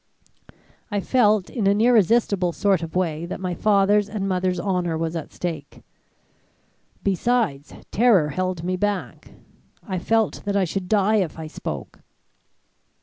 I felt in an irresistible sort of way that my father's and mother's honour was at stake. Besides, terror held me back; I felt that I should die if I spoke.